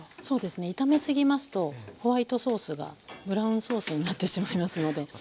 そうですね炒めすぎますとホワイトソースがブラウンソースになってしまいますので。